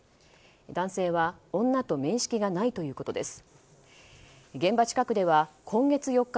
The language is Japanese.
男性は女と面識がないということです。